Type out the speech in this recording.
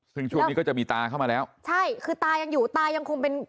ซึ่งช่วงนี้ก็จะมีตาเข้ามาแล้วใช่คือตายังอยู่ตายังคงเป็น